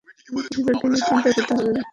তোমার পরিবারকে নিয়ে চিন্তা করতে হবে না।